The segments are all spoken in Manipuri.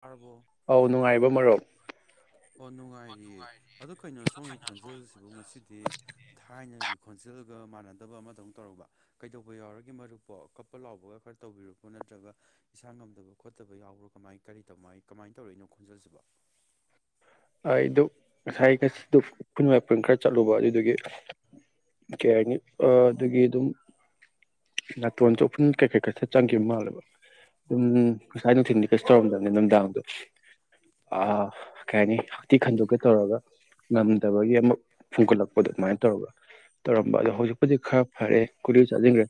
ꯇꯔꯕꯣ ꯑꯧ ꯅꯨꯡꯉꯥꯏꯔꯤꯕꯣ ꯃꯔꯨꯞ ꯑꯣ ꯅꯨꯡꯉꯥꯏꯔꯤꯌꯦ ꯑꯗꯣ ꯀꯩꯅꯣ ꯁꯣꯝꯒꯤ ꯈꯣꯟꯖꯦꯜꯁꯤꯕꯨ ꯉꯁꯤꯗꯤ ꯊꯥꯏꯅꯒꯤ ꯈꯣꯟꯖꯦꯜꯒ ꯃꯥꯟꯅꯗꯕ ꯑꯃꯗꯧꯅ ꯇꯧꯔꯨꯕ ꯀꯩꯗꯧꯕ ꯌꯥꯎꯔꯒꯦ ꯃꯔꯨꯞꯄꯣ ꯀꯞꯄ ꯂꯥꯎꯕꯒ ꯈꯔ ꯇꯧꯕꯤꯔꯛꯄꯣ ꯅꯠꯇ꯭ꯔꯒ ꯏꯁꯥ ꯉꯝꯗꯕ ꯈꯣꯠꯇꯕ ꯌꯥꯎꯔꯣ ꯀꯃꯥꯏ ꯀꯔꯤ ꯇꯧꯃꯥꯏ ꯀꯃꯥꯏꯅ ꯇꯧꯔꯛꯏꯅꯣ ꯈꯣꯟꯖꯦꯜꯁꯤꯕ ꯑꯩꯗꯨ ꯉꯁꯥꯏ ꯉꯁꯤꯗꯨ ꯎꯐꯨꯟ ꯋꯥꯏꯐꯨꯟ ꯈꯔ ꯆꯠꯂꯨꯕ ꯑꯗꯨꯗꯨꯒꯤ ꯀꯩꯍꯥꯏꯅꯤ ꯑ ꯑꯗꯨꯒꯤꯗꯨꯝ ꯅꯥꯇꯣꯟꯖꯨ ꯎꯐꯨꯟ ꯀꯩ ꯀꯩ ꯈꯩ ꯆꯪꯈꯤꯕ ꯃꯥꯜꯂꯦꯕ꯫ ꯎꯝ ꯉꯁꯥꯏ ꯅꯨꯡꯊꯤꯟꯗꯤ ꯀꯩꯁꯨ ꯇꯧꯔꯝꯗꯕꯅꯤ ꯅꯨꯃꯤꯗꯥꯡꯗꯣ ꯑꯥ ꯀꯩ ꯍꯥꯏꯅꯤ ꯍꯥꯛꯇꯤ ꯈꯟꯗꯣꯛꯀꯦ ꯇꯧꯔꯒ ꯉꯝꯗꯕꯒꯤ ꯑꯃ ꯐꯨꯟꯒꯠꯂꯛꯄꯗꯣ ꯑꯗꯨꯃꯥꯏꯅ ꯇꯧꯔꯒ ꯇꯧꯔꯝꯕ ꯑꯗꯣ ꯍꯧꯖꯤꯛꯄꯨꯗꯤ ꯈꯔ ꯐꯥꯔꯦ ꯒꯨꯂꯤ ꯆꯥꯖꯟꯒꯔꯦ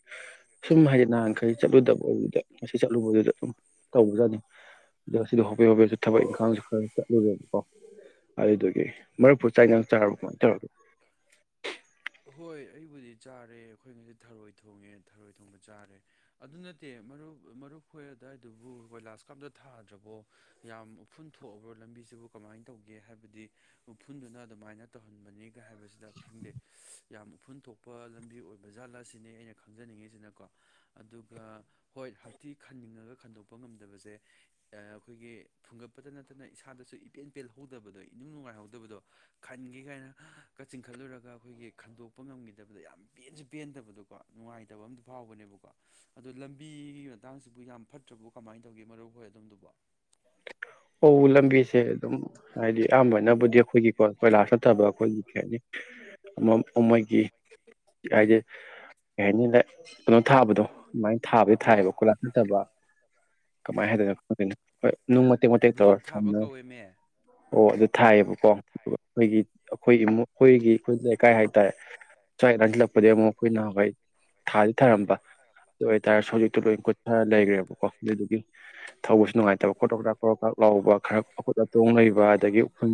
ꯁꯨꯝ ꯍꯥꯏꯗꯤ ꯅꯍꯥꯟꯈꯩ ꯆꯠꯂꯨꯗꯕꯗꯨꯗꯥ ꯉꯁꯤ ꯆꯠꯂꯨꯕꯗꯨꯗꯥ ꯑꯗꯨꯝ ꯇꯧꯕꯖꯥꯠꯅꯤ ꯑꯗꯣ ꯁꯤꯗꯥ ꯍꯣꯕꯦ ꯍꯣꯕꯦ ꯊꯕꯛ ꯏꯈꯥꯡꯁꯨ ꯈꯔ ꯆꯠꯂꯨꯔꯦꯕꯀꯣ ꯑꯗꯨꯗꯨꯒꯤ ꯃꯔꯨꯞꯄꯨ ꯆꯥꯏꯏꯟꯖꯥꯡ ꯆꯥꯔꯕꯣ ꯀꯃꯥꯏꯅ ꯇꯧꯔꯒꯦ ꯍꯣꯏ ꯑꯩꯕꯨꯗꯤ ꯆꯥꯔꯦ ꯑꯩꯈꯣꯏ ꯉꯁꯤ ꯊꯔꯣꯏ ꯊꯣꯡꯉꯦ ꯊꯔꯣꯏ ꯊꯣꯡꯕ ꯆꯥꯔꯦ꯫ ꯑꯗꯨ ꯅꯠꯇꯦ ꯃꯔꯨꯞ ꯃꯔꯨꯞ ꯈꯣꯏ ꯑꯗꯨꯋꯥꯏꯗꯨꯕꯨ ꯀꯣꯏꯂꯥꯁ ꯀꯥꯞꯇ ꯊꯥꯗ꯭ꯔꯕꯣ ꯌꯥꯝ ꯎꯐꯨꯟ ꯊꯣꯛꯑꯕ꯭ꯔꯣ ꯂꯝꯕꯤꯁꯤꯕꯨ ꯀꯃꯥꯏꯅ ꯇꯧꯒꯦ ꯍꯥꯏꯕꯗꯤ ꯎꯐꯨꯟꯗꯨꯅ ꯑꯗꯨꯃꯥꯏꯅ ꯇꯧꯍꯟꯕꯅꯤꯒ ꯍꯥꯏꯕꯁꯤꯗ ꯈꯪꯗꯦ ꯌꯥꯝ ꯎꯐꯨꯟ ꯊꯣꯛꯄ ꯂꯝꯕꯤ ꯑꯣꯏꯕ ꯖꯥꯠꯂꯥ ꯁꯤꯅꯤ ꯑꯩꯅ ꯈꯪꯖꯅꯤꯡꯉꯤꯁꯤꯅꯀꯣ ꯑꯗꯨꯒ ꯍꯣꯏ ꯍꯥꯛꯊꯤ ꯈꯟꯅꯤꯡꯉꯥꯒ ꯈꯟꯗꯣꯛꯄ ꯉꯝꯗꯕꯖꯦ ꯑ ꯑꯩꯈꯣꯏꯒꯤ ꯐꯨꯡꯒꯠꯄꯗ ꯅꯠꯇꯅ ꯏꯁꯥꯗꯁꯨ ꯏꯄꯦꯟ ꯄꯦꯜꯍꯧꯗꯕꯗꯣ ꯏꯅꯝ ꯅꯨꯡꯉꯥꯏꯍꯧꯗꯕꯗꯣ ꯈꯟꯒꯦ ꯀꯥꯏꯅꯒ ꯆꯤꯡꯈꯠꯂꯨꯔꯒ ꯑꯩꯈꯣꯏꯒꯤ ꯈꯪꯗꯣꯛꯄ ꯉꯝꯈꯤꯗꯕꯗ ꯌꯥꯝ ꯄꯦꯟꯁꯨ ꯄꯦꯟꯗꯕꯗꯣꯀꯣ ꯅꯨꯡꯉꯥꯏꯇꯕ ꯑꯝꯇ ꯐꯥꯎꯕꯅꯦꯕꯀꯣ ꯑꯗꯣ ꯂꯝꯕꯤꯒꯤ ꯃꯇꯥꯡꯁꯤꯕꯨ ꯌꯥꯝ ꯐꯠꯇ꯭ꯔꯕꯨ ꯀꯃꯥꯏꯅ ꯇꯧꯒꯦ ꯃꯔꯨꯞ ꯍꯣꯏ ꯑꯗꯣꯝꯗꯨꯕꯨ ꯑꯣ ꯂꯝꯕꯤꯁꯦ ꯑꯗꯨꯝ ꯍꯥꯏꯗꯤ ꯑꯌꯥꯝꯕꯅꯕꯨꯗꯤ ꯑꯩꯈꯣꯏꯒꯤꯀꯣ ꯀꯣꯏꯂꯥꯁ ꯅꯠꯇꯕ ꯑꯩꯈꯣꯏꯒꯤ ꯀꯩ ꯍꯥꯏꯅꯤ ꯃ‌ꯥ ꯃꯣꯏꯒꯤ [unintelligible] ꯀꯩ ꯍꯥꯏꯅꯤ ꯗꯥ ꯀꯩꯅꯣ ꯊꯥꯕꯗꯣ ꯑꯗꯨꯃꯥꯏꯅ ꯊꯥꯕꯗꯤ ꯕ꯭ꯂꯣꯛ ꯊꯥꯏꯌꯦꯕ ꯀ‌ꯣꯏꯂꯥꯁ ꯅꯠꯇꯕ ꯀꯃꯥꯏꯅ ꯍꯥꯏꯗꯣꯏꯅꯣ ꯈꯪꯗꯦꯅꯦ ꯍꯣꯏ ꯅꯨꯡ ꯃꯇꯦꯛ ꯃꯇꯦꯛ ꯕ꯭ꯂꯣꯛ ꯇꯧꯔ ꯁꯝ ꯊꯥꯕ ꯀꯧꯋꯦ ꯃꯦ ꯑꯣ ꯑꯗꯨ ꯊꯥꯏꯌꯦꯕꯀꯣ ꯑꯗꯨꯒ ꯑꯩꯈꯣꯏꯒꯤ ꯑꯩꯈꯣꯏꯒꯤ ꯑꯩꯈꯣꯏꯒꯤ ꯑꯩꯈꯣꯏ ꯂꯩꯀꯥꯏ ꯍꯥꯏꯇꯥꯔꯦ ꯁꯋꯥꯥꯏ ꯂꯥꯟꯁꯤꯜꯂꯛꯄꯗꯒꯤ ꯑꯃꯨꯛ ꯑꯩꯈꯣꯏꯅ ꯍ‌ꯣꯏ ꯊꯥꯗꯤ ꯊꯥꯔꯝꯕ ꯑꯗꯨ ꯑꯣꯏꯇꯥꯔꯁꯨ ꯍꯧꯖꯤꯛꯇꯤ ꯂꯣꯏ ꯈꯔ ꯂꯩꯈꯔꯦꯕꯀꯣ ꯑꯗꯨꯗꯨꯒꯤ ꯊꯧꯕꯁꯨ ꯅꯨꯡꯉꯥꯏ [unintelligible] ꯀꯣꯔ‌ꯣꯛ ꯀ‌ꯣꯔꯥꯛ ꯂꯥꯎꯕ ꯈꯔ ꯑꯀꯨꯠ ꯑꯇꯣꯡ ꯂꯩꯕ ꯑꯗꯒꯤ ꯎꯐꯨꯜ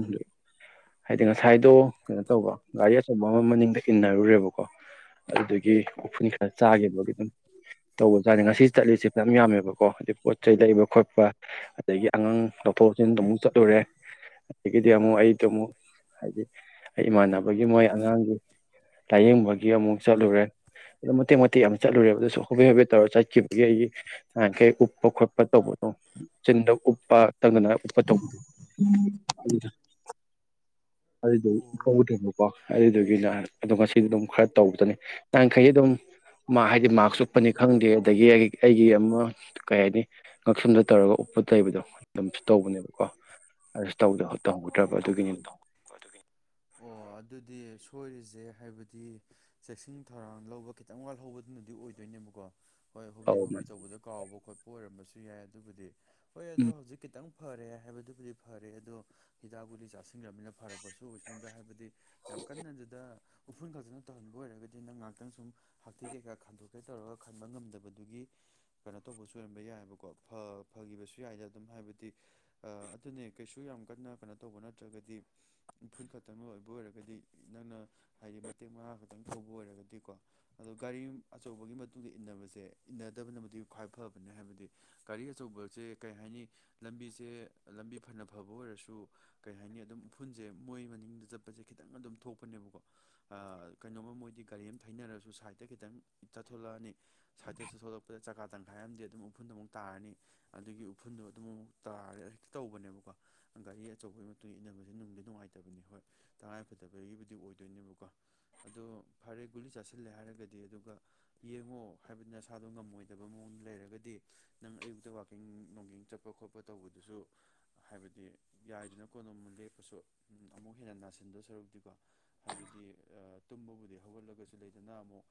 ꯍꯥꯏꯗꯤ ꯉꯁꯥꯏꯗꯣ ꯀꯩꯅꯣ ꯇꯧꯕ ꯒꯥꯔꯤ ꯑꯆꯧꯕ ꯑꯃ ꯃꯅꯤꯡꯗ ꯏꯟꯅꯔꯨꯔꯦꯕꯀꯣ ꯑꯗꯨꯗꯨꯒꯤ ꯎꯐꯨꯟ ꯈꯔ ꯆꯥꯒꯤꯕꯒꯤ ꯑꯗꯨꯝ ꯇꯧꯕ ꯖꯥꯠꯅ‌ꯦ ꯉꯁꯤ ꯆꯠꯂꯤꯁꯦ ꯐꯅꯌꯥꯝ ꯌꯥꯝꯃꯦꯕꯀꯣ ꯍꯥꯏꯗꯤ ꯄꯣꯠ ꯆꯩ ꯂꯩꯕ ꯈꯣꯠꯄ ꯑꯗꯒꯤ ꯑꯉꯥꯡ ꯂꯧꯊꯣꯛ ꯂꯧꯁꯤꯟ ꯑꯃꯨꯛ ꯆꯠꯂꯨꯔꯦ ꯑꯗꯥꯒꯤꯗꯤ ꯑꯃꯨꯛ ꯑꯩꯗꯣ ꯑꯃꯨꯛ ꯍꯥꯏꯗꯤ ꯑꯩ ꯏꯃꯥꯟꯅꯕꯒꯤ ꯃꯣꯏ ꯑꯉꯥꯡꯒꯤ ꯂꯥꯏꯌꯦꯡꯕꯒꯤ ꯑꯃꯨꯛ ꯆꯠꯂꯨꯔꯦ ꯑꯗꯨꯝ ꯃꯇꯦꯛ ꯃꯇꯦꯛ ꯌꯥꯝ ꯆꯠꯂꯨꯔꯦ ꯑꯗꯨꯁꯨ ꯍꯣꯕꯦ ꯍꯣꯕ‌ꯦ ꯇꯧꯔ ꯆꯠꯈꯤꯕꯒꯤ ꯑꯩꯒꯤ ꯅꯍꯥꯟ‌ꯈ‌ꯣꯏ ꯎꯞꯄ ꯈ‌ꯣꯠꯄ ꯇꯧꯕꯗ‌ꯣ ꯆꯤꯟꯗ ꯎꯞꯄ [unintelligible] ꯎꯞꯄ ꯇꯧꯕꯗ‌ꯣ ꯑꯗꯨꯗꯣ ꯑꯗꯨꯏꯗ‌ꯣ ꯑꯣ ꯎꯞꯐꯧꯗꯔ‌ꯦꯕ ꯀ‌ꯣ ꯑꯗꯨꯗꯨꯒꯤꯅ ꯑꯗꯣ ꯉꯁꯤꯗꯤ ꯑꯗꯨꯝ ꯈꯔ ꯇꯧꯕꯗꯨꯅꯤ ꯉꯥꯍꯥꯟꯈꯩꯗꯤ ꯑꯗꯨꯝ ꯃꯥ ꯍꯥꯏꯗꯤ ꯃꯥꯛꯁ ꯎꯞꯄꯅꯤ ꯈꯪꯗꯦ ꯑꯗꯥꯒꯤ ꯑꯩ ꯑꯩꯒꯤ ꯑꯃ ꯀꯩ ꯍꯥꯏꯅꯤ ꯉꯛꯁꯝꯗ ꯇꯧꯔꯒ ꯎꯞꯄ ꯇꯩꯕꯗꯣ ꯑꯗꯨꯝꯁꯨ ꯇꯧꯕꯅꯦꯕꯀꯣ ꯑꯗꯨꯁꯨ ꯇꯧꯗꯕ ꯇꯧꯍꯧꯗ꯭ꯔꯕ ꯑꯗꯨꯒꯤꯅ‌ꯦ ꯑꯣ ꯑꯗꯨꯗꯤ ꯁꯣꯏꯔꯤꯖꯦ ꯍꯥꯏꯕꯗꯤ ꯆꯦꯛꯁꯤꯟ ꯊꯧꯔꯥꯡ ꯂꯧꯕ ꯈꯤꯇꯪ ꯋꯥꯜꯍꯧꯕꯗꯨꯅꯗꯤ ꯑꯣꯏꯗꯣꯏꯅꯦꯕꯀꯣ ꯍꯣꯏ ꯍꯣꯕꯤ ꯑꯧ ꯍꯣꯕꯤ ꯃꯥꯅꯤ ꯇꯧꯕꯗ ꯀꯥꯎꯕ ꯈꯣꯠꯄ ꯑꯣꯏꯔꯝꯕꯁꯨ ꯌꯥꯏ ꯑꯗꯨꯕꯨꯗꯤ ꯍꯣꯏ ꯑꯗꯣ ꯎꯝ ꯍꯧꯖꯤꯛ ꯈꯤꯇꯪ ꯐꯔꯦ ꯍꯥꯏꯕꯗꯨꯕꯨꯗꯤ ꯐꯔꯦ ꯑꯗꯣ ꯍꯤꯗꯥꯛ ꯒꯨꯂꯤ ꯆꯥꯁꯤꯟꯒ꯭ꯔꯕꯅꯤꯅ ꯐꯔꯛꯄꯁꯨ ꯑꯣꯏꯁꯅꯨꯗꯥ ꯍꯥꯏꯕꯗꯤ ꯌꯥꯝ ꯀꯟꯅ ꯑꯗꯨꯗꯥ ꯎꯐꯨꯜ ꯐꯖꯅ ꯇꯧꯍꯟꯕ ꯑꯣꯏꯔꯒꯗꯤ ꯅꯪ ꯉꯥꯏꯍꯥꯛꯇꯪ ꯁꯨꯝ ꯍꯥꯛꯊꯤ ꯀꯩꯀꯥ ꯈꯟꯗꯣꯛꯀꯦ ꯇꯧꯔꯒ ꯈꯟꯕ ꯉꯝꯗꯕꯗꯨꯒꯤ ꯀꯩꯅꯣ ꯇꯧꯕꯁꯨ ꯑꯣꯏꯔꯝꯕ ꯌꯥꯏꯕꯀꯣ ꯐꯥ ꯐꯥꯒꯤꯕꯁꯨ ꯌꯥꯏꯗ ꯑꯗꯨꯝ ꯍꯥꯏꯕꯗꯤ ꯑ ꯑꯗꯨꯅꯦ ꯀꯩꯁꯨ ꯌꯥꯝ ꯀꯟꯅ ꯀꯩꯅꯣ ꯇꯧꯕ ꯅꯠꯇ꯭ꯔꯒꯗꯤ ꯏꯐꯨꯜ ꯈꯛꯇꯪ ꯑꯣꯏꯕ ꯑꯣꯏꯔꯒꯗꯤ ꯅꯪꯅ ꯍꯥꯏꯗꯤ ꯃꯇꯦꯛ ꯃꯥꯔꯡ ꯈꯛꯇꯪ ꯊꯧꯕ ꯑꯣꯏꯔꯒꯗꯤꯀꯣ ꯑꯗꯣ ꯒꯥꯔꯤ ꯑꯆꯧꯕꯒꯤ ꯃꯇꯨꯡꯗ ꯏꯟꯅꯕꯁꯦ ꯏꯟꯅꯗꯕꯅꯕꯨꯗꯤ ꯈ꯭ꯋꯥꯏ ꯐꯕꯅꯦ ꯍꯥꯏꯕꯗꯤ ꯒꯥꯔꯤ ꯑꯆꯧꯕꯖꯦ ꯀꯔꯤ ꯍꯥꯏꯅꯤ ꯂꯝꯕꯤꯁꯦ ꯂꯝꯕꯤ ꯐꯅ ꯐꯕ ꯑꯣꯏꯔꯁꯨ ꯀꯩ ꯍꯥꯏꯅꯤ ꯑꯗꯨꯝ ꯎꯐꯨꯜꯁꯦ ꯃꯣꯏ ꯃꯅꯤꯡꯗ ꯆꯠꯄꯁꯦ ꯈꯤꯇꯪ ꯑꯗꯨꯝ ꯊꯣꯛꯄꯅꯦꯕꯀꯣ ꯑꯥ ꯀꯩꯅꯣꯝꯃ ꯃꯣꯏꯗꯤ ꯒꯥꯔꯤ ꯑꯃ ꯊꯩꯅꯔꯁꯨ ꯁꯥꯏꯠꯇ ꯈꯤꯇꯪ ꯆꯠꯊꯣꯂꯛꯑꯅꯤ ꯁꯥꯏꯠꯇꯁꯨ ꯊꯣꯛꯂꯛꯄꯗ ꯆꯀꯥ ꯇꯪꯈꯥꯏ ꯑꯃꯗꯤ ꯑꯗꯨꯝ ꯎꯐꯨꯟꯗ ꯑꯃꯨꯛ ꯇꯥꯔꯅꯤ ꯑꯗꯨꯒꯤ ꯎꯐꯨꯟꯗꯣ ꯑꯗꯨꯝ ꯑꯃꯨꯛ ꯇꯥꯔꯦ ꯍꯦꯛꯇꯥ ꯇꯧꯕꯅꯦꯕꯀꯣ ꯒꯥꯔꯤ ꯑꯆꯧꯕꯒꯤ ꯃꯇꯨꯡ ꯏꯟꯅꯕ ꯅꯨꯡꯗꯤ ꯅꯨꯡꯉꯥꯏꯇꯕꯅꯤ ꯍꯣꯏ ꯇꯉꯥꯏ ꯐꯗꯕꯒꯤꯕꯨꯗꯤ ꯑꯣꯏꯗꯣꯏꯅꯦꯕꯀꯣ ꯑꯗꯣ ꯐꯔꯦ ꯒꯨꯂꯤ ꯆꯥꯁꯤꯜꯂꯦ ꯍꯥꯏꯔꯒꯗꯤ ꯑꯗꯨꯒꯥ ꯌꯦꯡꯉꯣ ꯍꯥꯏꯕꯗꯤ ꯅꯁꯥꯗꯣ ꯉꯝꯃꯣꯏꯗꯕ ꯃꯑꯣꯡꯗ ꯂꯩꯔꯒꯗꯤ ꯅꯪ ꯑꯌꯨꯛꯇ ꯋꯥꯛꯀꯤꯡ ꯅꯨꯡꯀꯤꯡ ꯆꯠ ꯈꯣꯠꯄ ꯇꯧꯕꯗꯨꯁꯨ ꯍꯥꯏꯕꯗꯤ ꯌꯥꯏꯗꯅ ꯀꯣꯟꯅꯃꯨꯛ ꯂꯦꯞ ꯄꯁꯨ ꯎꯝ ꯑꯃꯨꯛ ꯍꯦꯟꯅ ꯅꯥꯁꯤꯟꯗꯧ ꯁꯥꯔꯨꯛꯇꯤꯀꯣ ꯍꯥꯏꯕꯗꯤ ꯑꯥ ꯇꯨꯝꯕꯕꯨꯗꯤ ꯍꯧꯒꯠꯂꯒꯁꯨ ꯂꯩꯗꯅ ꯑꯃꯨꯛ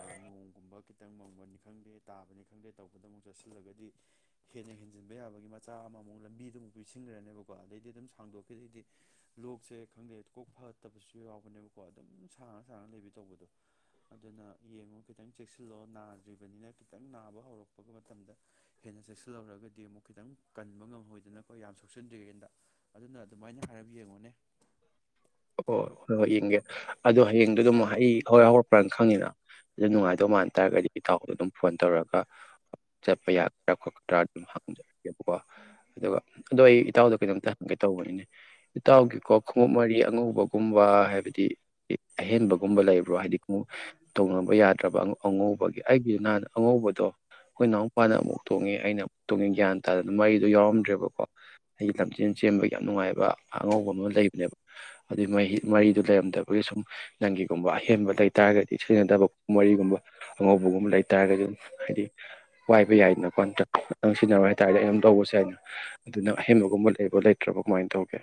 ꯑꯥ ꯅꯣꯡꯒꯨꯝꯕ ꯈꯤꯇꯪ ꯃꯪꯕꯅꯤ ꯈꯪꯗꯦ ꯇꯥꯕꯅꯤ ꯈꯪꯗꯦ ꯇꯧꯕꯗ ꯑꯃꯨꯛ ꯆꯠꯁꯤꯜꯂꯒꯥꯗꯤ ꯍꯦꯟꯅ ꯍꯦꯟꯖꯤꯟꯕ ꯌꯥꯕꯒꯤ ꯃꯆꯥꯛ ꯑꯃꯃꯨꯛ ꯂꯝꯕꯤꯗ ꯑꯃꯨꯛ ꯄꯤꯁꯤꯟꯒ꯭ꯔꯅꯦꯕꯀꯣ ꯑꯗꯩꯗꯤ ꯑꯗꯨꯝ ꯁꯥꯡꯗꯣꯛꯈꯤꯗꯩꯗꯤ ꯂꯣꯛꯁꯦ ꯈꯪꯗꯦ ꯀꯣꯛ ꯐꯠꯇꯕꯁꯨ ꯌꯥꯎꯕꯅꯦꯕꯀꯣ ꯑꯗꯨꯝ ꯁꯥꯡꯅ ꯁꯥꯡꯅ ꯂꯩꯕꯤ ꯇꯧꯕꯗꯣ ꯑꯗꯨꯅ ꯌꯦꯡꯉꯨ ꯈꯤꯇꯪ ꯆꯦꯛꯁꯤꯜꯂ‌ꯣ ꯅꯥꯗ꯭ꯔꯤꯕꯅꯤꯅ ꯈꯤꯇꯪ ꯅꯥꯕ ꯍꯧꯔꯛꯄ ꯃꯇꯝꯗ ꯍꯦꯟꯅ ꯆꯦꯛꯁꯤꯜꯍꯧꯔꯒꯗꯤ ꯑꯃꯨꯛ ꯈꯤꯇꯪ ꯀꯟꯕ ꯉꯝꯍꯧꯏꯗꯅꯀꯣ ꯌꯥꯝ ꯁꯣꯛꯆꯟꯗꯔꯤꯉꯩꯗꯥ ꯑꯗꯨꯅ ꯑꯗꯨꯃꯥꯏꯅ ꯍꯥꯏꯔꯞ ꯌꯦꯡꯉꯣꯅꯦ ꯑꯣ ꯍꯣꯏ ꯍꯣꯏ ꯌꯦꯡꯒꯦ ꯑꯗꯣ ꯍꯌꯦꯡꯗꯨ ꯑꯗꯨꯝ ꯑꯩ ꯍꯋꯥꯏ ꯍꯧꯔꯛꯄ꯭ꯔꯅ ꯈꯪꯉꯤꯅ ꯑꯗꯨ ꯅꯨꯡꯉꯥꯏꯗꯧ ꯃꯥꯟ ꯇꯥꯔꯒꯗꯤ ꯏꯇꯥꯎꯗꯥ ꯑꯗꯨꯝ ꯐꯣꯟ ꯇꯧꯔꯒ ꯆꯠꯄ ꯌꯥꯒꯗ꯭ꯔꯥ ꯈꯣꯠꯀꯗ꯭ꯔꯥ ꯑꯗꯨꯝ ꯍꯪꯖꯔꯛꯒꯦꯕꯀꯣ ꯑꯗꯨꯒ ꯑꯗꯣ ꯑꯩ ꯏꯇꯥꯎꯗ ꯀꯩꯅꯣꯝꯇ ꯍꯪꯒꯦ ꯇꯧꯕꯅꯤꯅꯦ ꯏꯇꯥꯎꯒꯤ ꯀꯣꯛ ꯈꯣꯡꯎꯞ ꯃꯔꯤ ꯑꯉꯧꯕꯒꯨꯝꯕ ꯍꯥꯏꯕꯗꯤ ꯑꯍꯦꯟꯕꯒꯨꯝꯕ ꯂꯩꯕ꯭ꯔꯣ ꯍꯥꯏꯗꯤ ꯈꯣꯡꯎꯞ ꯇꯣꯡꯅꯕ ꯌꯥꯗ꯭ꯔꯕ ꯑꯉꯧꯕꯒꯤ ꯑꯩꯒꯤ ꯑ ꯑꯉꯧꯕꯗꯣ ꯑꯩꯈꯣꯏ ꯏꯅꯥꯎ ꯅꯨꯄꯥꯅ ꯑꯃꯨꯛ ꯇꯣꯡꯉꯦ ꯑꯩꯅ ꯑꯃꯨꯛ ꯇꯣꯡꯉꯦ ꯒ꯭ꯌꯥꯟ ꯇꯥꯗꯅ ꯃꯔꯤꯗꯨ ꯌꯥꯎꯔꯝ꯭ꯗꯔꯦꯕꯀꯣ ꯑꯩꯒꯤ ꯂꯝꯖꯦꯟ ꯆꯦꯟꯕꯒꯤ ꯌꯥꯝ ꯅꯨꯡꯉꯥꯏꯕ ꯑꯉꯧꯕ ꯑꯃ ꯂꯩꯕ ꯂꯦꯞ ꯑꯗꯨꯏ ꯃꯔꯤ ꯃꯔꯤꯗꯨ ꯂꯩꯔꯝꯗꯕꯒꯤ ꯁꯨꯝ ꯅꯪꯒꯤꯒꯨꯝꯕ ꯑꯍꯦꯟꯕ ꯂꯩꯇꯥꯥꯔꯒꯗꯤ ꯁꯤꯖꯤꯟꯅꯗꯕ ꯈꯣꯡꯌꯨꯞ ꯃꯔꯤꯒꯨꯝꯕ ꯑꯉꯧꯕꯒꯨꯝꯕ ꯂꯩꯇꯥꯔꯒꯗꯤ ꯍꯥꯏꯗꯤ ꯋꯥꯏꯕ ꯌꯥꯏꯗꯅꯀꯣ ꯅꯪ ꯁꯤꯖꯤꯟꯅꯕ ꯍꯩꯇꯥꯔꯒꯗꯤ ꯑꯩ ꯑꯗꯨꯝ ꯇꯧꯕꯁꯨ ꯌꯥꯏꯅ ꯑꯗꯨꯅ ꯑꯍꯦꯟꯕꯒꯨꯝꯕ ꯂꯩꯕꯣ ꯂꯩꯇ꯭ꯔꯕꯣ ꯀꯃꯥꯏꯅ ꯇꯧꯒꯦ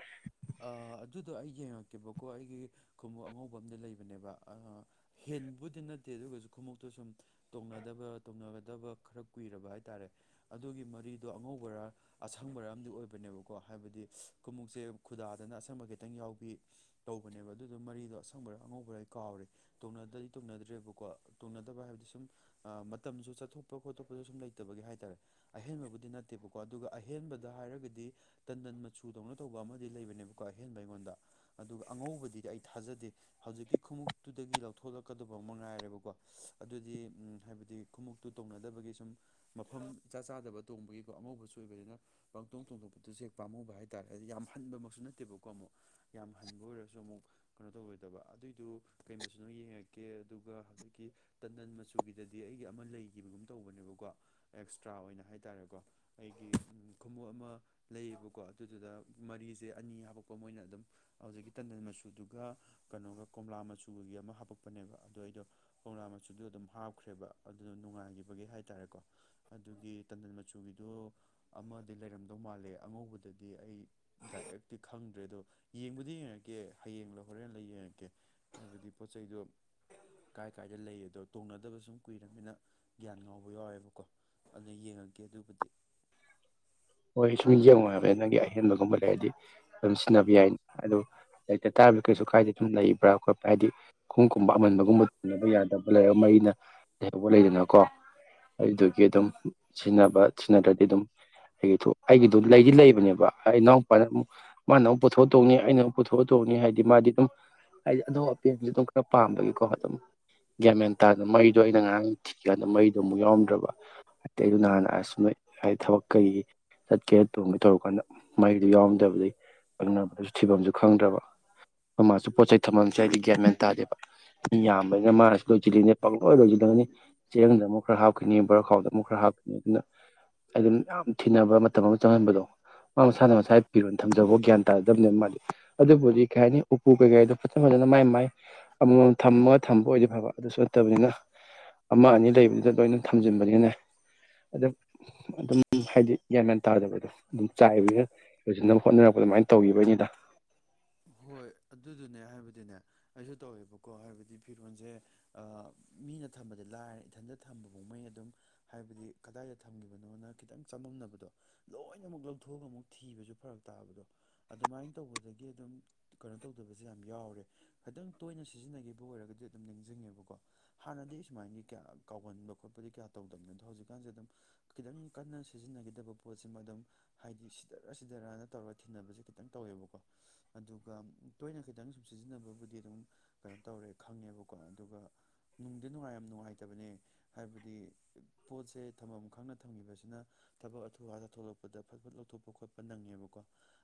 ꯑꯥ ꯑꯗꯨꯗꯣ ꯑꯩ ꯌꯦꯡꯉꯛꯀꯦꯕꯀꯣ ꯑꯩꯒꯤ ꯈꯣꯡꯎꯄ ꯑꯉꯧꯕ ꯑꯃꯗꯤ ꯂꯩꯕꯅꯦꯕ ꯑꯥ ꯍꯦꯟꯕꯨꯗꯤ ꯅꯠꯇꯦ ꯑꯗꯨꯒꯁꯨ ꯈꯣꯡꯎꯞꯇꯨ ꯁꯨꯝ ꯇꯣꯡꯅꯗꯕ ꯇꯣꯡꯅꯒꯗꯕ ꯈꯔ ꯀꯨꯏꯔꯕ ꯍꯥꯏꯇꯥꯔꯦ ꯑꯗꯨꯒꯤ ꯃꯔꯤꯗꯣ ꯑꯉꯧꯕꯥꯔꯥ ꯑꯁꯪꯕꯥꯔꯥ ꯑꯝꯗꯤ ꯑꯣꯏꯕꯅꯦꯕꯀꯣ ꯍꯥꯏꯕꯗꯤ ꯈꯨꯃꯨꯛꯁꯦ ꯈꯨꯗꯥꯗꯅ ꯑꯁꯪꯕ ꯈꯤꯇꯪ ꯌꯥꯎꯕꯤ ꯇꯧꯕꯅꯦꯕ ꯑꯗꯨꯗꯣ ꯃꯔꯤꯗꯣ ꯑꯁꯪꯕꯔꯥ ꯑꯉꯧꯕꯔꯥ ꯑꯩ ꯀꯥꯎꯔꯦ꯫ ꯇꯣꯡꯅꯗꯗꯤ ꯇꯣꯡꯅꯗ꯭ꯔꯦꯕꯀꯣ ꯇꯣꯡꯅꯗꯕ ꯍꯥꯏꯕꯗꯤ ꯁꯨꯝ ꯑ ꯃꯇꯝꯖꯨ ꯆꯠꯊꯣꯛꯄ ꯈꯣꯠꯇꯣꯛꯄꯗ ꯁꯨꯝ ꯂꯩꯇꯕꯒꯤ ꯍꯥꯏꯇꯥꯔꯦ ꯑꯍꯦꯟꯕꯕꯨꯗꯤ ꯅꯠꯇꯦꯕꯀꯣ ꯑꯗꯨꯒ ꯑꯍꯦꯟꯕꯗ ꯍꯥꯏꯔꯒꯗꯤ ꯇꯟꯗꯟ ꯃꯆꯨꯗꯧꯅ ꯇꯧꯕ ꯑꯃ ꯂꯩꯕꯅꯦꯕꯀꯣ ꯑꯍꯦꯟꯕ ꯑꯩꯉꯣꯟꯗ ꯑꯗꯨꯒ ꯑꯉꯧꯕꯗꯤꯗꯤ ꯑꯩ ꯊꯥꯖꯗꯦ ꯍꯧꯖꯤꯛꯀꯤ ꯈꯣꯡꯎꯇꯨꯗꯒꯤ ꯂꯧꯊꯣꯛꯂꯛꯀꯗꯕ ꯑꯃ ꯉꯥꯏꯔꯦꯕꯀꯣ ꯑꯗꯨꯗꯤ ꯍꯥꯏꯕꯗꯤ ꯈꯨꯎꯇꯨ ꯇꯧꯅꯗꯕꯒꯤ ꯁꯨꯝ ꯃꯐꯝ ꯏꯆꯥ ꯆꯥꯗꯕ ꯇꯣꯡꯕꯒꯤꯀꯣ ꯑꯉꯧꯕꯁꯨ ꯑꯣꯏꯕꯅꯤꯅ ꯄꯥꯡꯇꯣꯛ ꯊꯣꯡꯗꯣꯛꯄꯗꯨꯁꯨ ꯍꯦꯛ ꯄꯥꯝꯨꯕ ꯍꯥꯏꯇꯥꯥꯔꯦ ꯍꯥꯏꯗꯤ ꯌꯥꯝ ꯍꯟꯕꯃꯛꯁꯨ ꯅꯠꯇꯦꯕꯀꯣ ꯑꯃꯨꯛ ꯌꯥꯝ ꯍꯟꯕ ꯑꯣꯏꯔꯁꯨ ꯑꯃꯨꯛ ꯀꯩꯅꯣ ꯇꯧꯔꯣꯏꯗꯕ ꯑꯗꯨꯏꯗꯨ ꯀꯩꯃꯁꯨ ꯅꯣ ꯌꯦꯡꯉꯛꯀꯦ ꯑꯗꯨꯒ ꯍꯧꯖꯤꯛꯀꯤ ꯇꯟꯗꯟ ꯃꯆꯨꯒꯤꯗꯗꯤ ꯑꯩꯒꯤ ꯑꯃ ꯂꯩꯈꯤꯕꯒꯨꯝ ꯇꯧꯕꯅꯦꯕꯀꯣ ꯑꯦꯛꯁꯇ꯭ꯔꯥ ꯑꯣꯏꯅ ꯍꯥꯏꯇꯥꯥꯔꯦꯀꯣ ꯑꯩꯒꯤ ꯈꯨꯎꯨꯞ ꯑꯃ ꯂꯩꯌꯦꯕꯀꯣ ꯑꯗꯨꯗꯨꯗ ꯃꯔꯤꯁꯦ ꯑꯅꯤ ꯍꯥꯕꯛꯀꯣ ꯃꯣꯏꯅ ꯑꯗꯨꯝ ꯍꯧꯖꯤꯛꯀꯤ ꯇꯟꯗꯟ ꯃꯆꯨꯗꯨꯒ ꯀꯩꯅꯣꯒ ꯀꯣꯝꯂꯥ ꯃꯆꯨꯒꯒꯤ ꯑꯃ ꯍꯥꯞꯄꯛꯄꯅꯦꯕ ꯑꯗꯨꯗꯣ ꯑꯩꯗꯣ ꯄꯧꯅꯥ ꯃꯆꯨꯗꯨ ꯑꯗꯨꯝ ꯍꯥꯞꯈ꯭ꯔꯦꯕ ꯑꯗꯨꯗ ꯅꯨꯡꯉꯥꯏꯈꯤꯕꯒꯤ ꯍꯥꯏꯇꯥꯔꯦꯀꯣ ꯑꯗꯨꯒꯤ ꯇꯟꯗꯟ ꯃꯆꯨꯒꯤꯗ ꯑꯃꯗꯤ ꯂꯩꯔꯝꯗꯧ ꯃꯥꯜꯂꯦ ꯑꯉꯧꯕꯗꯗꯤ ꯑꯩ ꯗꯥꯏꯔꯦꯛꯇꯤ ꯈꯪꯗ꯭ꯔꯦ ꯑꯗꯣ ꯌꯦꯡꯕꯨꯗꯤ ꯌꯦꯡꯉꯛꯀꯦ ꯍꯌꯦꯡꯂꯡꯂ ꯍꯣꯔꯦꯟ ꯂꯩ ꯌꯦꯡꯉꯛꯀꯦ ꯍꯥꯏꯕꯗꯤ ꯄꯣꯠ ꯆꯩꯗꯣ ꯀꯥꯏ ꯀꯥꯏꯗ ꯂꯩ ꯑꯗꯣ ꯇꯣꯡꯅꯗꯕ ꯁꯨꯝ ꯀꯨꯏꯔꯕꯅꯤꯅ ꯒ꯭ꯌꯥꯟ ꯉꯥꯎꯕ ꯌꯥꯎꯋꯦꯕꯀꯣ ꯑꯗꯨ ꯌꯦꯡꯉꯒꯦ ꯑꯗꯨꯕꯨꯗꯤ ꯍꯣꯏ ꯁꯨꯝ ꯃꯤ ꯌꯦꯡꯉꯣ ꯍꯥꯏꯕ ꯅꯪꯒꯤ ꯑꯍꯦꯟꯕꯒꯨꯝꯕ ꯂꯩꯔꯗꯤ ꯑꯗꯨꯝ ꯁꯤꯖꯤꯟꯅꯕ ꯌꯥꯏ ꯑꯗꯨꯝ ꯂꯩꯇ ꯇꯥꯔꯗꯤ ꯀꯩꯁꯨ ꯀꯥꯏꯗꯦ ꯑꯗꯨꯝ ꯂꯩꯕ꯭ꯔꯥ ꯈꯣꯠꯄ ꯍꯥꯏꯗꯤ ꯈꯣꯡꯎꯞꯀꯨꯝꯕ ꯑꯃꯟꯕꯒꯨꯝꯕ ꯇꯣꯡꯕ ꯌꯥꯗꯕ ꯂꯩꯔꯒ ꯃꯔꯤꯅ ꯂꯩꯍꯧꯕ ꯂꯩꯗꯅꯀꯣ ꯑꯗꯨꯗꯨꯒꯤ ꯑꯗꯨꯝ ꯁꯤꯖꯤꯟꯅꯕ ꯁꯤꯟꯅꯗꯔꯗꯤ ꯑꯗꯨꯝ ꯑꯩꯒꯤꯗꯣ ꯑꯩꯒꯤꯗꯣ ꯂꯩꯗꯤ ꯂꯩꯕꯅꯦꯕ ꯑ ꯏꯅꯥꯎꯄꯥꯅ ꯑꯃꯨꯛ ꯃꯥꯅ ꯑꯃꯨꯛ ꯄꯨꯊꯣꯛꯑ ꯇꯧꯅꯤ ꯑꯩꯅ ꯑꯃꯨꯛ ꯄꯨꯊꯣꯛꯑ ꯇꯧꯅꯤ ꯍꯥꯏꯗꯤ ꯃꯥꯗꯤ ꯑꯗꯨꯝ ꯍꯥꯏꯗꯤ ꯑꯅꯥꯎ ꯑꯄꯦꯟꯁꯦ ꯑꯗꯨꯝ ꯈꯔ ꯄꯥꯝꯕꯒꯤꯀꯣ ꯑꯗꯨꯝ ꯒ꯭ꯌꯥꯃꯦꯟ ꯇꯥꯗꯅ ꯃꯩꯔꯤꯗꯣ ꯑꯩꯅ ꯉꯔꯥꯡ ꯊꯤꯀꯥꯟꯗ ꯃꯩꯔꯤꯗꯣ ꯑꯃꯨꯛ ꯌꯥꯎꯝꯗ꯭ꯔꯕ ꯑꯇꯩ ꯑꯩ ꯑꯗꯨ ꯅꯍꯥꯟ ꯑꯁꯥꯏ ꯍꯥꯏꯗꯤ ꯊꯕꯛ ꯀꯩꯒꯤ ꯆꯠꯀꯦ ꯇꯣꯡꯒꯦ ꯇꯧꯔꯀꯥꯟꯗ ꯃꯔꯤꯗꯨ ꯌꯥꯎꯔꯝꯗꯕꯗꯥꯒꯤ ꯍꯪꯅꯕꯗꯁꯨ ꯊꯤꯕꯝꯁꯨ ꯈꯪꯗ꯭ꯔꯕ ꯃꯃꯥꯁꯨ ꯄꯣꯠ ꯆꯩ ꯊꯝꯃꯝꯦ ꯍꯥꯏꯗꯤ ꯒꯌꯥꯃꯦꯟ ꯇꯥꯗꯦꯕ ꯌꯥꯝꯕꯅꯤꯅ ꯃꯥꯅꯁꯤ ꯂꯣꯏꯁꯤꯜꯂꯤꯅꯦ ꯄꯪꯣꯏ ꯂꯣꯏꯁꯤꯅꯤ ꯆꯔꯪꯗ ꯑꯃꯨꯛ ꯈꯔ ꯍꯥꯞꯀꯅꯤ ꯕꯣꯔꯈꯥꯎꯗ ꯑꯃꯨꯛ ꯈꯔ ꯍꯥꯞꯀꯅꯤ ꯑꯗꯨꯅ ꯑꯗꯨꯝ ꯌꯥꯝ ꯊꯤꯅꯕ ꯃꯇꯝ ꯑꯃ ꯆꯪꯍꯟꯕꯗꯣ ꯃꯥ ꯃꯁꯥꯅ ꯃꯁꯥ ꯄꯤꯔꯣ ꯊꯝꯖꯕ ꯒ꯭ꯌꯥꯟ ꯇꯥꯖꯗꯕꯅꯦꯅ ꯃꯥꯗꯤ ꯑꯗꯨꯕꯨꯗꯤ ꯀꯩ ꯍꯥꯏꯅꯤ ꯎꯄꯨ ꯀꯩꯀꯩꯗꯣ ꯐꯖ ꯐꯖꯅ ꯃꯥꯏ ꯃꯥꯏ ꯑꯃꯃꯝ ꯊꯝꯃꯒ ꯊꯝꯕ ꯑꯣꯏꯗꯤꯦ ꯐꯕ ꯑꯗꯨꯁꯨ ꯅꯠꯇꯕꯅꯤꯅ ꯑꯃ ꯑꯅꯤ ꯂꯩꯕꯗꯨꯗ ꯂꯣꯏꯅ ꯊꯝꯖꯤꯟꯕꯅꯤꯅꯦ ꯑꯗꯨꯝ ꯑꯗꯨꯝ ꯍꯥꯏꯗꯤ ꯒ꯭ꯟꯌꯥꯟ ꯇꯥꯕꯗꯣ ꯑꯗꯨꯝ ꯆꯥꯏꯕ ꯐꯣꯏꯖꯅꯕ ꯍꯣꯠꯅꯔꯛꯄ ꯑꯗꯨꯃꯥꯏꯅ ꯇꯧꯈꯤꯕꯩꯅꯤꯗ ꯍꯣꯏ ꯑꯗꯨꯗꯨꯅꯦ ꯍꯥꯏꯕꯗꯤꯅꯦ ꯑꯩꯁꯨ ꯇꯧꯋꯦꯕꯀꯣ ꯍꯥꯏꯕꯗꯤ ꯐꯤꯔꯣꯜꯁꯦ ꯃꯤꯅ ꯊꯝꯕꯗꯤ ꯂꯥꯏꯔ ꯏꯊꯟꯇ ꯊꯝꯕꯐꯥꯎꯉꯩ ꯑꯗꯨꯝ ꯍꯥꯏꯕꯗꯤ ꯀꯗꯥꯏꯗ ꯊꯝꯈꯤꯕꯅꯣꯅ ꯈꯤꯇꯪ ꯆꯃꯝꯅꯕꯗꯣ ꯂꯣꯏꯅꯃꯛꯨꯛ ꯂꯧꯊꯣꯛꯑꯒ ꯑꯃꯨꯛ ꯊꯤꯕꯁꯨ ꯐꯔꯛ ꯇꯥꯕꯗꯣ ꯑꯗꯨꯃꯥꯏꯅ ꯇꯧꯕꯗꯒꯤ ꯑꯗꯨꯝ ꯀꯩꯅꯣ ꯇꯧꯗꯕꯁꯦ ꯌꯥꯝ ꯌꯥꯎꯔꯦ ꯈꯤꯇꯪ ꯇꯣꯏꯅ ꯁꯤꯖꯤꯟꯅꯈꯤꯕ ꯑꯣꯏꯔꯒꯗꯤ ꯑꯗꯨꯝ ꯅꯤꯡꯁꯤꯡꯉꯦꯕꯀꯣ ꯍꯥꯟꯅꯗꯤ ꯁꯨꯃꯥꯏꯅꯒꯤ ꯀꯌꯥ ꯀꯥꯎꯒꯟꯕ ꯈꯣꯠꯄꯗꯤ ꯀꯌꯥ ꯇꯧꯗꯝꯕꯅꯤ ꯑꯗꯣ ꯍꯧꯖꯤꯛꯀꯥꯟꯖꯦ ꯑꯗꯨꯝ ꯈꯤꯇꯪ ꯀꯟꯅ ꯁꯤꯖꯤꯟꯅꯈꯤꯗꯕ ꯄꯣꯠꯁꯤꯃ ꯑꯗꯨꯝ ꯍꯥꯏꯗꯤ ꯁꯤꯗꯔꯥ ꯁꯤꯗꯔꯅ ꯇꯧꯔꯒ ꯊꯤꯕꯁꯦ ꯈꯤꯇꯪ ꯇꯧꯋꯦꯕꯀꯣ ꯑꯗꯨ ꯑꯗꯨꯒ ꯇꯣꯏꯅ ꯈꯤꯇꯪ ꯁꯨꯝ ꯁꯤꯖꯤꯟꯅꯕꯕꯨꯗꯤ ꯑꯗꯨꯝ ꯀꯩꯅꯣ ꯇꯧꯔꯦ ꯈꯪꯉꯦꯕꯀꯣ ꯑꯗꯨꯒ ꯅꯨꯡꯗꯤ ꯅꯨꯡꯉꯥꯏ ꯌꯥꯝ ꯅꯨꯡꯉꯥꯏꯇꯕꯅꯦ ꯍꯥꯏꯕꯗꯤ ꯄꯣꯠꯁꯦ ꯊꯝꯐꯝ ꯈꯪꯅ ꯊꯝꯂꯤꯕꯁꯤꯅ ꯊꯕꯛ ꯑꯊꯨ ꯑꯗ ꯊꯣꯛꯂꯛꯄꯗ ꯐꯠ ꯐꯠ ꯂꯧꯊꯣꯛꯄ ꯈꯣꯠꯄ ꯅꯪꯉꯦꯕꯀꯣ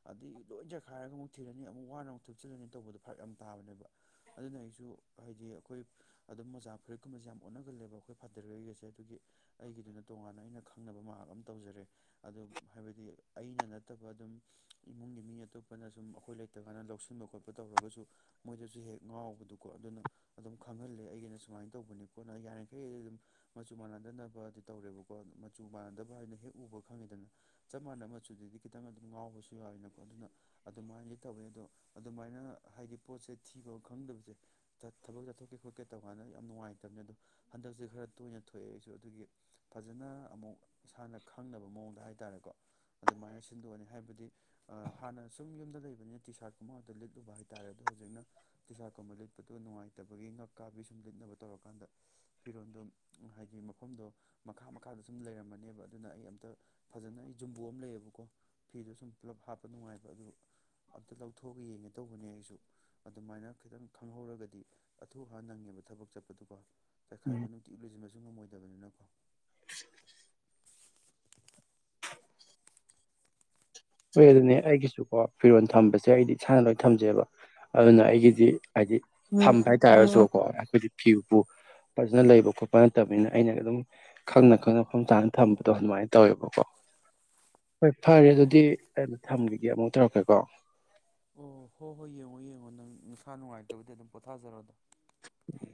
ꯑꯗꯩ ꯂꯣꯏ ꯖꯠꯈꯥꯏꯔꯒ ꯑꯃꯨꯛ ꯊꯤꯔꯅꯤ ꯑꯃꯨꯛ ꯋꯥꯅ ꯑꯃꯨꯛ ꯊꯨꯞꯆꯜꯂꯅꯤ ꯇꯧꯕꯗꯣ ꯐꯔꯛ ꯌꯥꯝ ꯇꯥꯕꯅꯦꯕ ꯑꯗꯨꯅ ꯑꯩꯁꯨ ꯍꯥꯏꯗꯤ ꯑꯩꯈꯣꯏ ꯑꯗꯨꯝ ꯑꯣꯣꯥ ꯐꯨꯔꯤꯠꯀꯨꯝꯕꯁꯦ ꯌꯥꯝ ꯑꯣꯠꯅꯒꯜꯂꯦꯕ ꯑꯩꯈꯣꯏ ꯐꯗꯔꯩꯒꯁꯦ ꯑꯗꯨꯒꯤ ꯑꯩꯒꯤꯗꯨꯅ ꯇꯣꯉꯥꯟꯅ ꯑꯩꯅ ꯈꯪꯅꯕ ꯃꯍꯥꯛ ꯑꯃ ꯇꯧꯖꯔꯦ ꯑꯗꯨ ꯍꯥꯏꯕꯗꯤ ꯑꯩꯅ ꯅꯠꯇꯕ ꯑꯗꯨꯝ ꯏꯃꯨꯡꯒꯤ ꯃꯤ ꯑꯇꯣꯞꯄꯅ ꯁꯨꯝ ꯑꯩꯈꯣꯏ ꯅꯠꯇꯒꯥꯏꯅ ꯂꯧꯁꯤꯟꯕ ꯈꯣꯠꯄ ꯇꯧꯔꯒꯁꯨ ꯃꯣꯏꯗꯁꯨ ꯍꯦꯛ ꯉꯥꯎꯕꯗꯨꯀꯣ ꯑꯗꯨꯅ ꯑꯗꯨꯝ ꯈꯪꯍꯜꯂꯦ ꯑꯩꯒꯤꯩꯅ ꯁꯨꯃꯥꯏꯅ ꯇꯧꯕꯅꯤ ꯈꯣꯠꯅ ꯌꯥꯔꯤꯈꯩꯗꯤ ꯑꯗꯨꯝ ꯃꯆꯨ ꯃꯥꯟꯅꯗꯅꯕꯗꯤ ꯇꯧꯔꯦꯕꯀꯣ ꯃꯆꯨ ꯃꯥꯟꯅꯗꯕ ꯍꯥꯏꯅ ꯍꯦꯛ ꯎꯕ ꯈꯪꯉꯤꯗꯅ ꯆꯞ ꯃꯥꯟꯅꯕ ꯃꯆꯨꯗꯗꯤ ꯈꯤꯇꯪ ꯑꯗꯨꯝ ꯉꯥꯎꯕꯁꯨ ꯌꯥꯎꯋꯅꯀꯣ ꯑꯗꯨꯅ ꯑꯗꯨꯃꯥꯏꯅ ꯊꯕꯅꯤ ꯑꯗꯣ ꯑꯗꯨꯃꯥꯏꯅ ꯍꯥꯏꯗꯤ ꯄꯣꯠꯁꯦ ꯊꯤꯕ ꯈꯪꯗꯕꯁꯦ ꯊꯕꯛ ꯆꯠꯊꯣꯛꯀꯦ ꯈꯣꯠꯀꯦ ꯇꯧ ꯀꯥꯟꯗ ꯌꯥꯝ ꯅꯨꯡꯉꯥꯏꯇꯕꯅꯤ ꯑꯗꯣ ꯍꯟꯗꯛꯁꯦ ꯈꯔ ꯇꯣꯏꯅ ꯊꯣꯛꯑꯦ ꯑꯩꯁꯨ ꯑꯗꯨꯒꯤ ꯐꯖꯅ ꯑꯃꯨꯛ ꯏꯁꯥꯅ ꯈꯪꯅꯕ ꯃꯑꯣꯡꯗ ꯍꯥꯏ ꯇꯥꯔꯦꯀꯣ ꯑꯗꯨꯃꯥꯏꯅ ꯁꯤꯟꯗꯣꯛꯑꯅꯤ ꯍꯥꯏꯕꯗꯤ ꯍꯥꯟꯅ ꯁꯨꯝ ꯌꯨꯝꯗ ꯂꯩꯕꯅꯤ ꯇꯤ ꯁꯥꯔꯠꯀꯨꯝꯕ ꯑꯗꯨꯗ ꯂꯤꯠꯂꯨꯕ ꯍꯥꯏꯇꯥꯔꯦ ꯑꯗꯣ ꯍꯧꯖꯤꯛꯅ ꯇꯤꯁꯥꯔꯀꯨꯝꯕ ꯂꯤꯠꯄꯗꯨ ꯅꯨꯡꯉꯥꯏꯇꯕꯒꯤ ꯉꯛꯀꯥꯕꯤ ꯁꯨꯝ ꯂꯤꯠꯅꯕ ꯇꯧꯔꯀꯥꯟꯗ ꯐꯤꯔꯣꯜꯗꯣ ꯍꯥꯏꯗꯤ ꯃꯐꯝꯗꯣ ꯃꯈꯥ ꯃꯈꯥꯗ ꯁꯨꯝ ꯂꯩꯔꯝꯃꯅꯦꯕ ꯑꯗꯨꯅ ꯑꯩ ꯑꯝꯇ ꯐꯖꯅ ꯑꯩ ꯌꯖꯨꯝꯕꯨ ꯑꯃ ꯂꯩꯌꯦꯕꯀꯣ ꯐꯤꯗꯣ ꯁꯨꯝ ꯄꯨꯂꯞ ꯍꯥꯞꯄ ꯅꯨꯡꯉꯥꯏꯕ ꯑꯗꯨ ꯑꯝꯇ ꯂꯧꯊꯣꯛꯑꯒ ꯌꯦꯡꯒꯦ ꯇꯧꯕꯅꯦ ꯑꯩꯁꯨ ꯑꯗꯨꯃꯥꯏꯅ ꯈꯤꯇꯪ ꯈꯪꯍꯧꯔꯒꯗꯤ ꯑꯊꯨ ꯍꯥꯟ ꯅꯪꯉꯤꯕ ꯊꯕꯛ ꯆꯠꯄꯗꯨ ꯀꯣ ꯆꯥꯏꯈꯥꯏꯕ ꯅꯨꯡꯇꯤꯛ ꯂꯣꯏꯟꯕꯁꯨ ꯉꯝꯃꯗꯕꯅꯤꯅꯀꯣ [inaudible] ꯍꯏ ꯑꯗꯨꯅꯦ ꯑꯩꯒꯤꯁꯨꯀꯣ ꯐꯤꯔꯣꯜ ꯊꯝꯕꯁꯦ ꯑꯩꯗꯤ ꯏꯁꯥꯅ ꯂꯣꯏ ꯊꯝꯖꯩꯕ ꯑꯗꯨꯅ ꯑꯩꯒꯤꯗꯤ ꯍꯥꯏꯗꯤ ꯐꯝꯕ ꯍꯥꯏꯇꯥꯔꯁꯨꯀꯣ ꯍꯥꯏꯣꯏꯗꯤ ꯐꯤꯕꯨꯨ ꯐꯖꯅ ꯂꯩꯕ ꯈꯣꯠꯄ ꯅꯠꯇꯕꯅꯤꯅ ꯑꯩꯅ ꯑꯗꯨꯝ ꯈꯪꯅ ꯈꯪꯅ ꯃꯐꯝ ꯆꯥꯅ ꯊꯝꯕꯗꯣ ꯑꯗꯨꯃꯥꯏꯅ ꯇꯧꯋꯦꯕꯀꯣ ꯍꯣꯏ ꯐꯔꯦ ꯑꯗꯨꯗꯤ ꯑꯩꯅ ꯊꯝꯈꯤꯒꯦ ꯑꯃꯨꯛ ꯇꯧꯔꯛꯀꯦꯀꯣ ꯑꯣ ꯍꯣ ꯍꯣꯏ ꯌꯦꯡꯉꯣ ꯌꯦꯡꯉꯣ ꯅꯪ ꯅꯨꯡꯁꯥ ꯅꯨꯡꯉꯥꯏꯇꯕꯗꯤ ꯑꯗꯨꯝ ꯄꯣꯊꯥꯖꯔꯛꯣ ꯑꯗꯣ ꯎ